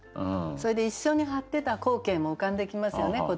それで一緒に貼ってた光景も浮かんできますよね。